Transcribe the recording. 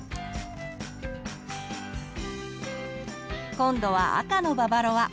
今度は赤のババロア。